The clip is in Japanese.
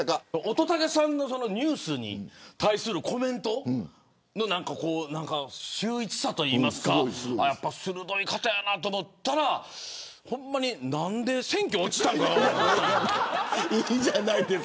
乙武さんのニュースに対するコメントの秀逸さといいますか鋭い方やなと思ったらほんまに何で選挙落ちたのか分からん。